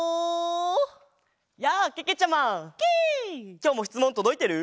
きょうもしつもんとどいてる？